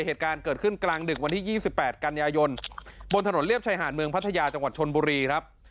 เหตุการณ์เกิดขึ้นกลางดึกวันที่๒๘กันยายนบนถนนเรียบชายหาดเมืองพัทยาจังหวัดชนบุรีครับ